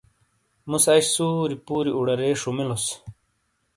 مُوسے اش سُوری پُوری اُوڑارے شومیلوس